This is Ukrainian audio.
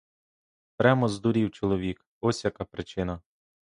Прямо здурів чоловік, ось яка причина!